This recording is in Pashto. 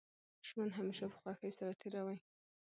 ژوند همېشه په خوښۍ سره تېروئ!